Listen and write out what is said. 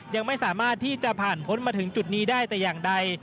ยังไม่สามารถที่จะผ่านพ้นมาถึงจุดนี้ได้แต่อย่างใด